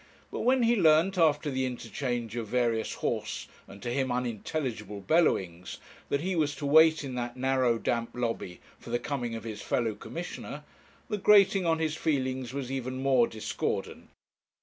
But when he learnt, after the interchange of various hoarse and to him unintelligible bellowings, that he was to wait in that narrow damp lobby for the coming of his fellow Commissioner, the grating on his feelings was even more discordant.